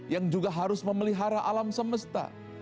yang juga harus memelihara alam semesta